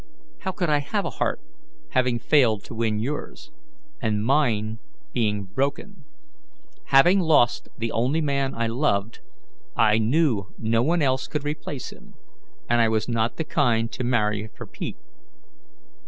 How could I have a heart, having failed to win yours, and mine being broken? Having lost the only man I loved, I knew no one else could replace him, and I was not the kind to marry for pique.